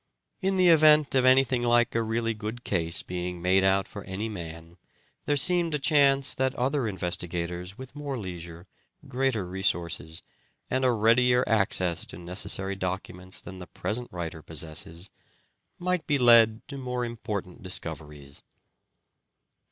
In the event of anything like a really good case being made out for any man there seemed a chance that other investigators with more leisure, greater resources, and a readier access to necessary io8 " SHAKESPEARE " IDENTIFIED documents than the present writer possesses, might be led to more important discoveries.